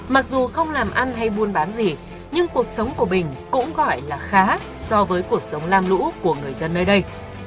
mặc dù không làm ăn hay buôn bán gì nhưng cuộc sống của bình cũng gọi là khá so với cuộc sống lam lũ của người dân nơi đây